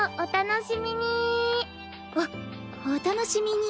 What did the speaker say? おお楽しみに。